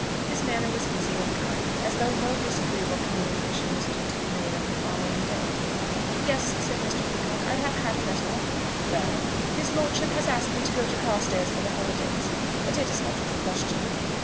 His manner was easy and kind, as though no disagreeable communication was due to be made on the following day. "Yes," said Mr. Peacocke. "I have had a letter." "Well?" "His lordship has asked me to go to Carstairs for the holidays; but it is out of the question."